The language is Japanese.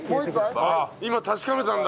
今確かめたんだ。